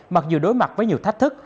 mặc dù đối mặt với nhiều thách thức